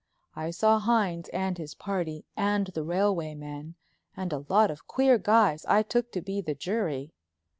I saw Hines and his party, and the railway men, and a lot of queer guys that I took to be the jury.